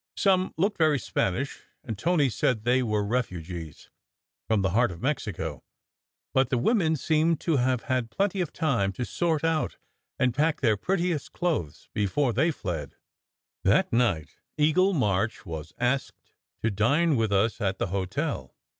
Some looked very Spanish, and Tony said they were refugees, from the heart of Mexico; but the women seemed to have had plenty of time to sort out and pack their prettiest clothes before they fled. 94 SECRET HISTORY That night Eagle March was asked to dine with us at the hotel.